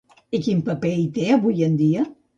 I quin paper hi té avui en dia?